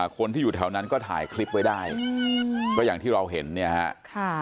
คนที่อยู่แถวนั้นก็ถ่ายคลิปไว้ได้ก็อย่างที่เราเห็นเนี่ยฮะ